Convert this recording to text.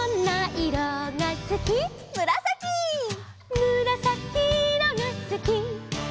「むらさきいろがすき」